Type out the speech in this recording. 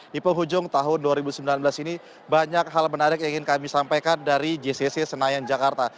di penghujung tahun dua ribu sembilan belas ini banyak hal menarik yang ingin kami sampaikan dari jcc senayan jakarta